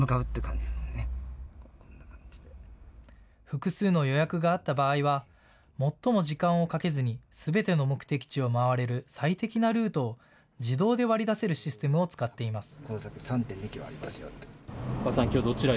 複数の予約があった場合は最も時間をかけずにすべての目的地を回れる最適なルートを自動で割り出せるシステムを使っています。